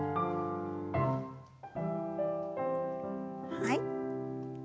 はい。